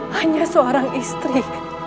hanya seorang istri